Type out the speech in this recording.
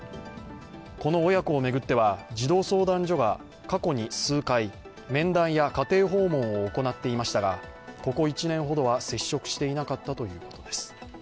この親子を巡っては児童相談所が過去に数回、面談や家庭訪問を行っていましたが、ここ１年ほどは接触していなかったということです。